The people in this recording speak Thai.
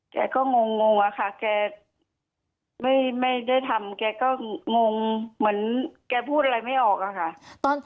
แกก็งงอะค่ะแกไม่ได้ทำแกก็งงเหมือนแกพูดอะไรไม่ออกอะค่ะ